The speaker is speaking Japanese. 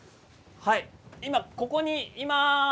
今ここにいます。